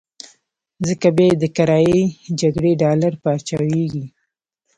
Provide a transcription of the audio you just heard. ځکه بيا یې د کرايي جګړې ډالر پارچاوېږي.